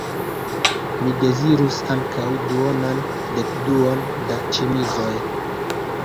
Mi dezirus ankoraŭ duonan dekduon da ĉemizoj.